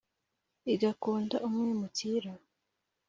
igakunda umwimukira,